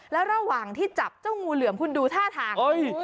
แล้วระหว่างที่จับเจ้างูเหลือมคุณดูท่าทาง